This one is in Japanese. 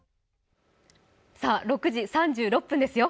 さぁ６時３６分ですよ。